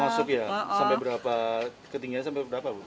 masuk ya ketinggiannya sampai berapa